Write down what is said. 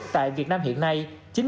tại việt nam hiện nay